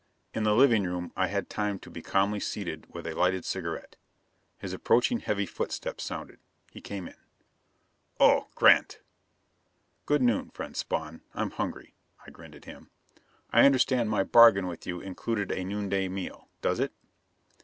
In the living room I had time to be calmly seated with a lighted cigarette. His approaching heavy footsteps sounded. He came in. "Oh Grant." "Good noon, friend Spawn. I'm hungry." I grinned at him. "I understand my bargain with you included a noonday meal. Does it?"